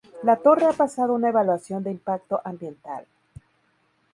La torre ha pasado una evaluación de impacto ambiental.